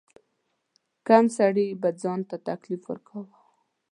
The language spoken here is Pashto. کم سړي به ځان ته تکلیف ورکاوه.